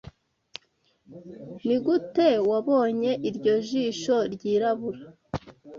Nigute wabonye iryo jisho ryirabura?